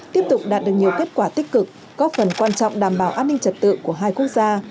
tiếp tục đạt được nhiều kết quả tích cực góp phần quan trọng đảm bảo an ninh trật tự của hai quốc gia